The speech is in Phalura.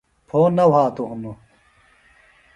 پھو نہ وھاتوۡ ہِنوۡ